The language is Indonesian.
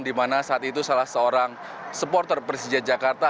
dimana saat itu salah seorang supporter persija jakarta